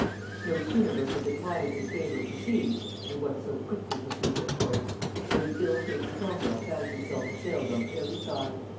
No sooner was the decline of his favor perceived, and what so quickly perceived at courts? than the ill fated Cromwel found himself assailed on every side.